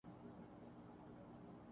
رکھوں کچھ اپنی بھی مژگان خوں فشاں کے لیے